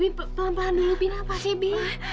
bi bi pelan pelan dulu bi ini apa sih bi